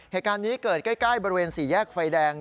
เหตุการณ์นี้เกิดใกล้บริเวณสี่แยกไฟแดง